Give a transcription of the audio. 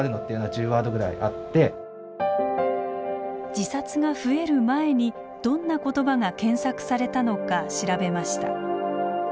自殺が増える前にどんな言葉が検索されたのか調べました。